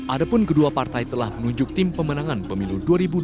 adapun kedua partai telah menunjuk tim pemenangan pemilu dua ribu dua puluh